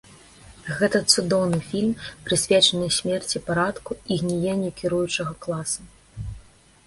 Гэта цудоўны фільм, прысвечаны смерці парадку і гніенню кіруючага класа.